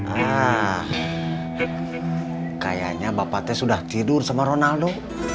ah kayaknya bapak teh sudah tidur sama ronaldo